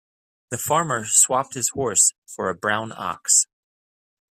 The farmer swapped his horse for a brown ox.